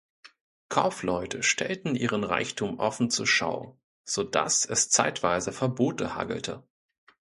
Kaufleute stellten ihren Reichtum offen zur Schau, so dass es zeitweise Verbote hagelte.